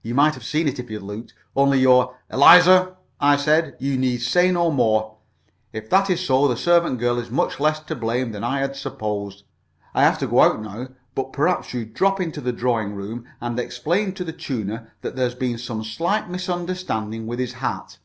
You might have seen it if you'd looked. Only you're " "Eliza," I said, "you need say no more. If that is so, the servant girl is much less to blame than I had supposed. I have to go out now, but perhaps you'd drop into the drawing room and explain to the tuner that there's been some slight misunderstanding with his hat.